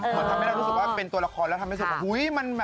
ทำให้เราก็รู้สึกว่าเป็นตัวละครแล้วทำให้ชอบ